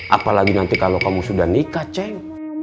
apalagi nanti kalau kamu sudah nikah ceng